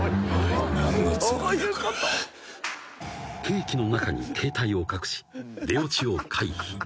［ケーキの中に携帯を隠し出オチを回避］